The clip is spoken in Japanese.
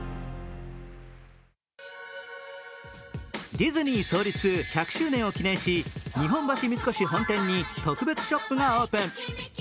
ディズニー創立１００周年を記念し日本橋三越本店に特別ショップがオープン。